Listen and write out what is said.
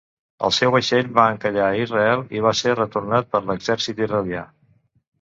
El seu vaixell va encallar a Israel, i va ser retornat per l'exèrcit israelià.